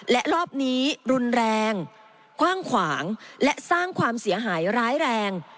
และรอบนี้รุนแรงกว้างขวางและสร้างความเสียหายร้ายแรง